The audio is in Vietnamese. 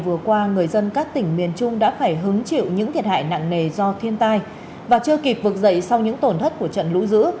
vừa qua người dân các tỉnh miền trung đã phải hứng chịu những thiệt hại nặng nề do thiên tai và chưa kịp vực dậy sau những tổn thất của trận lũ dữ